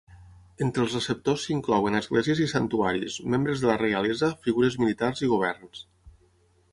Entre els receptors s'inclouen esglésies i santuaris, membres de la reialesa, figures militars i governs.